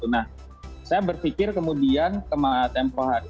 nah saya berpikir kemudian kemahatian kemahatian kemahatian